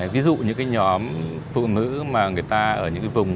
ví dụ như những nhóm phụ nữ mà người ta ở những vùng